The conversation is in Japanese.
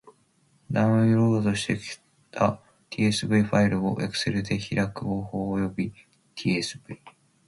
ダウンロードした tsv ファイルを Excel で開く方法及び tsv ...